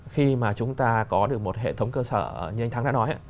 khi mà chúng ta có được một hệ thống cơ sở như anh thắng đã nói